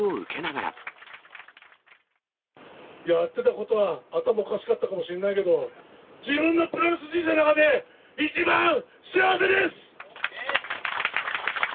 やってたことは頭おかしかったかもしれないけど、自分のプロレス人生の中で一番幸せです！